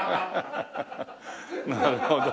なるほど。